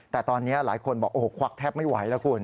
แต่ตอนนี้หลายคนบอกโอ้โหควักแทบไม่ไหวแล้วคุณ